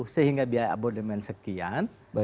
sehingga biaya abodemen sekian